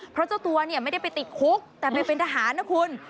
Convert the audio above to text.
เพราะเจ้าตัวเนี่ยไม่ได้ไปติดคุกแต่ไปเป็นทหารนะคุณ